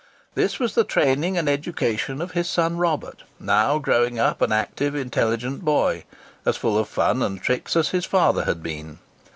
This was the training and education of his son Robert, now growing up an active, intelligent boy, as full of fun and tricks as his father had been.